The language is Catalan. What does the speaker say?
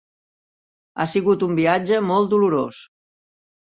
Ha sigut un viatge molt dolorós.